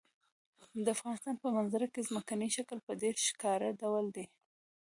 د افغانستان په منظره کې ځمکنی شکل په ډېر ښکاره ډول دی.